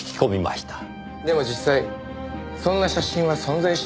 でも実際そんな写真は存在しなかった。